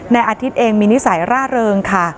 นายอาทิตย์เองมีนิสัยร่าเริงค่ะ